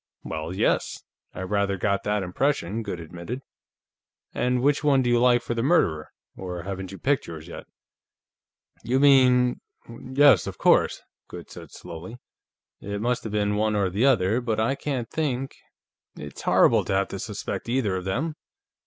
"Well, yes; I rather got that impression," Goode admitted. "And which one do you like for the murderer? Or haven't you picked yours, yet?" "You mean.... Yes, of course," Goode said slowly. "It must have been one or the other. But I can't think.... It's horrible to have to suspect either of them."